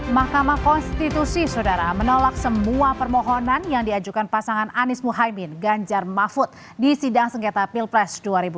mahkamah konstitusi saudara menolak semua permohonan yang diajukan pasangan anies muhaymin ganjar mahfud di sidang sengketa pilpres dua ribu dua puluh